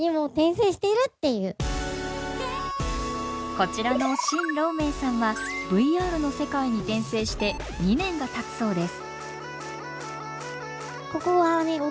こちらの清楼銘さんはＶＲの世界に転生して２年がたつそうです。